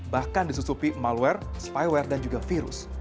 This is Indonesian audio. bahkan disusupi malware spyware dan juga virus